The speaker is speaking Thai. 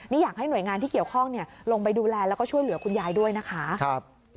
นี่อยากให้หน่วยงานที่เกี่ยวข้องลงไปดูแลแล้วก็ช่วยเหลือคุณยายด้วยนะคะ